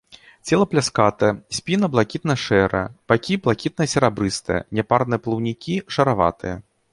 Цела пляскатае, спіна блакітна-шэрая, бакі блакітна-серабрыстыя, няпарныя плаўнікі шараватыя.